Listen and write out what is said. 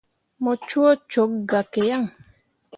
Me coo cok gah ke yan.